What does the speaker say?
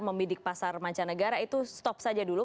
membidik pasar mancanegara itu stop saja dulu